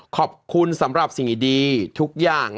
ขอบคุณสำหรับสิ่งดีทุกอย่าง